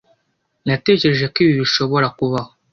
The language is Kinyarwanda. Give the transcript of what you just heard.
Natekereje ko ibi bishobora kubaho.